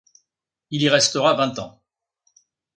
Il y restera vingt ans.